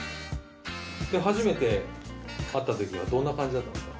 初めて会ったときはどんな感じだったんですか？